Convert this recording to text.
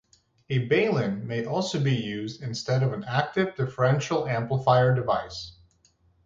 A balun may also be used instead of an active differential amplifier device.